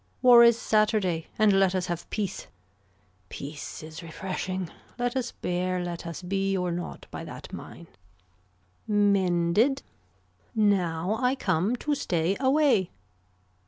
War is Saturday and let us have peace. Peace is refreshing, let us bear let us be or not by that mine. Mended. Now I come to stay away.